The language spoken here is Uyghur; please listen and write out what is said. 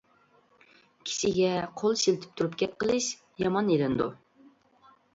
كىشىگە قول شىلتىپ تۇرۇپ گەپ قىلىش يامان ئېلىنىدۇ.